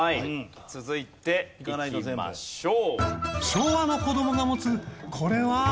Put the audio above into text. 続いていきましょう。